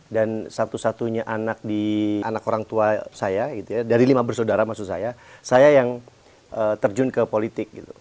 dan satu satunya anak orang tua saya dari lima bersaudara maksud saya saya yang terjun ke politik